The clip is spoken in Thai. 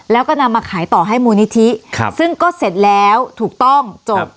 แล้วก็นำมาขายต่อให้มูลนิธิซึ่งก็เสร็จแล้วถูกต้องจบ